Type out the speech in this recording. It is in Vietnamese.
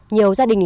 nhiều gia đình lợi